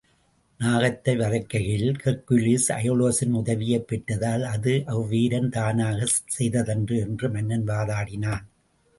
நாகத்தை வதைக்கையில் Hercules அயோலஸின் உதவியைப் பெற்றதால், அது அவ்வீரன் தானாகச் செய்ததன்று என்று மன்னன் வாதாடினான்.